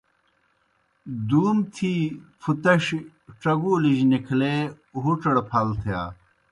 دُوم تھی پُھتَݜیْ ڇگُولِجیْ نِکھلے ہُڇڑ پھل تِھیا۔